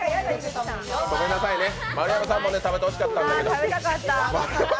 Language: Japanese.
ごめんなさいね、丸山さんも食べて欲しかったんだけど。